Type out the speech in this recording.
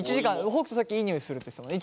北斗さっきいい匂いするって言ってたもんね。